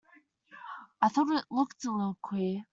I thought it looked a little queer.